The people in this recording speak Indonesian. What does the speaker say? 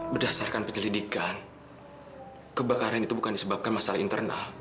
berdasarkan penyelidikan kebakaran itu bukan disebabkan masalah internal